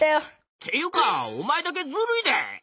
っていうかおまえだけずるいで！